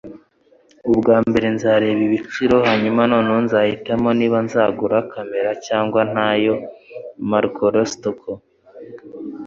Ubwa mbere nzareba ibiciro, hanyuma noneho nzahitamo niba nzagura kamera cyangwa ntayo. (marcelostockle)